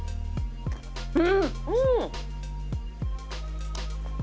うん！